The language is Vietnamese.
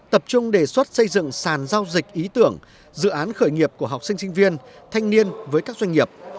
tập trung đề xuất xây dựng sàn giao dịch ý tưởng dự án khởi nghiệp của học sinh sinh viên thanh niên với các doanh nghiệp